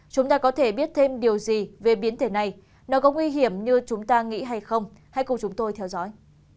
chúng ta có thể biết thêm điều gì về biến thể này nó có nguy hiểm như chúng ta nghĩ hay không hãy cùng chúng tôi theo dõi